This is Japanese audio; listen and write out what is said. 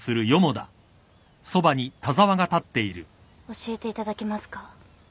教えていただけますか？